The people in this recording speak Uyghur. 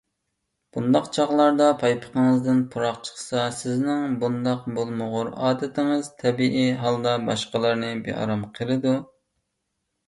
بۇنداق چاغلاردا پايپىقىڭىزدىن پۇراق چىقسا، سىزنىڭ بۇنداق بولمىغۇر ئادىتىڭىز تەبىئىي ھالدا باشقىلارنى بىئارام قىلىدۇ.